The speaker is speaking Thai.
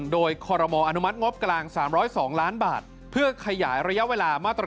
โดยคอนุมัติงบกลาง๓๐๒ล้านบาทเพื่อขยายระยะเวลามัตรการประเทา